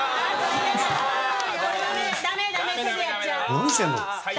何してんの？